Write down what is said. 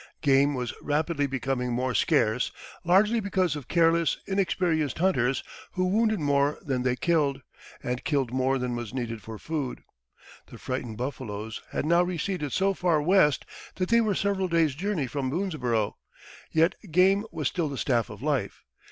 Game was rapidly becoming more scarce, largely because of careless, inexperienced hunters who wounded more than they killed, and killed more than was needed for food; the frightened buffaloes had now receded so far west that they were several days' journey from Boonesborough. Yet game was still the staff of life.